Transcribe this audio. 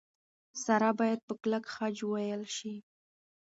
سره باید په کلک خج وېل شي.